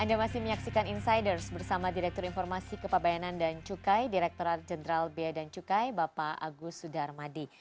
anda masih menyaksikan insiders bersama direktur informasi kepabayanan dan cukai direkturat jenderal biaya dan cukai bapak agus sudarmadi